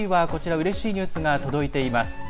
うれしいニュースが届いています。